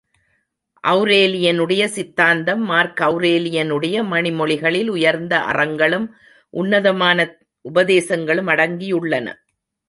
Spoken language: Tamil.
ஒளரேலியனுடைய சித்தாந்தம் மார்க்க ஒளரேலியனுடைய மணி மொழிகளில் உயர்ந்த அறங்களும், உன்னதமான உபதேசங்களும் அடங்கியுள்ளன.